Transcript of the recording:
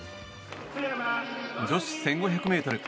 女子１５００ｍ。